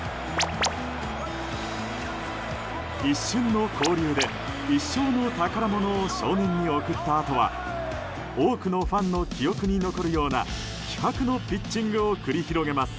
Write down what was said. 一瞬の交流で一生の宝物を少年に贈ったあとは多くのファンの記憶に残るような気迫のピッチングを繰り広げます。